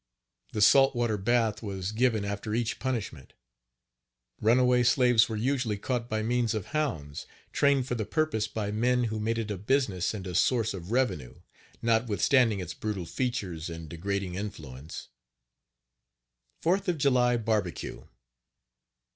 The salt water bath was given after each punishment. Runaway slaves were usually caught by means of hounds, trained for the purpose by men who made it a business and a source of revenue, notwithstanding its brutal features and degrading influence. FOURTH OF JULY BARBECUE.